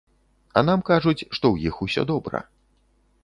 А нам кажуць, што ў іх усё добра.